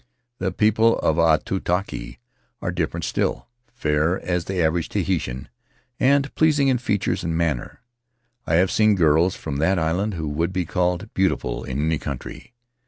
The people of Aitutaki are different still — fair as the average Tahitian, and pleasing in features and manner; I have seen girls from that island who would be called beautiful in any country.